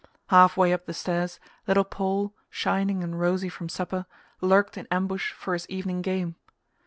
Half way up the stairs little Paul, shining and rosy from supper, lurked in ambush for his evening game.